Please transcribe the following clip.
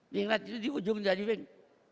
winglet itu di ujung dari wing